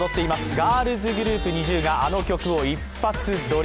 ガールズグループ、ＮｉｚｉＵがあの曲を一発撮り。